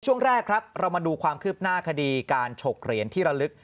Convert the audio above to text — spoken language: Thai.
ช่วงแรกครับเรามาดูความคืบหน้าคดีการฉกเหรียญที่ระลึก